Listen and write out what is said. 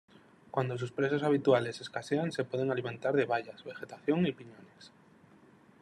Cuando sus presas habituales escasean, se pueden alimentar de bayas, vegetación y piñones.